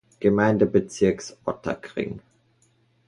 Gemeindebezirks Ottakring.